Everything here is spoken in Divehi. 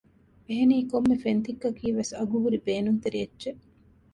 އެހެނީ ކޮންމެ ފެން ތިއްކަކީ ވެސް އަގުހުރި ބޭނުންތެރި އެއްޗެއް